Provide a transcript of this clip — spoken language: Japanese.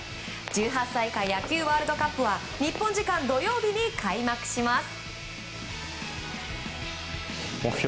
１８歳以下野球ワールドカップは日本時間土曜日に開幕します。